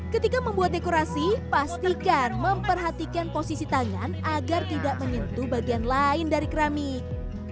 ketika membuat dekorasi pastikan memperhatikan posisi tangan agar tidak menyentuh bagian lain dari keramik